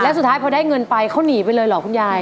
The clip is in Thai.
สุดท้ายพอได้เงินไปเขาหนีไปเลยเหรอคุณยาย